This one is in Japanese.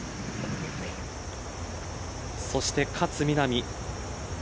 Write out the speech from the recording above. そして勝みなみ。